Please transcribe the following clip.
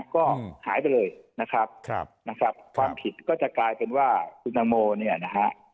ก็หายไปเลยนะครับนะครับความผิดก็จะกลายเป็นว่าคุณตังโมเนี่ยนะฮะ